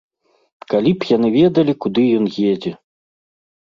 Калі б яны ведалі, куды ён едзе!